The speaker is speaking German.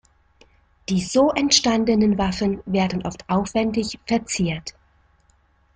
Die so entstandenen Waffen werden oft aufwändig verziert.